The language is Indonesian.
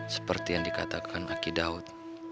seperti yang dikatakan aki daud